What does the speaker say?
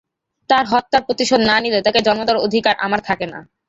তার হত্যার প্রতিশোধ না নিলে তাকে জন্ম দেয়ার অধিকার আমার থাকে না।